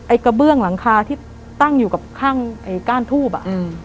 ไอ้กระเบื้องหลังคาที่ตั้งอยู่ข้างไอ้ก้านทูบอะ